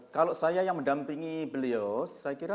kalau saya yang mendampingi beliau